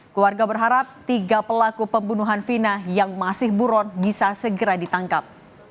keluarga berharap tiga pelaku pembunuhan vina yang masih buron bisa segera ditangkap